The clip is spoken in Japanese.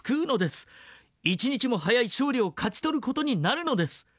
一日も早い勝利を勝ち取る事になるのです』。